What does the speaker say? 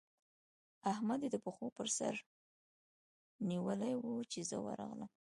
احمد يې د پښو پر سره نيولی وو؛ چې زه ورغلم.